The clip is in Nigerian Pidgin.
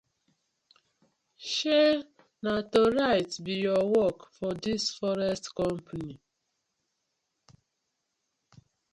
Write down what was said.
Shey na to write bi yur work for dis forest company.